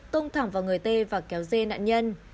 tung thẳng vào người t và kéo dê nạn nhân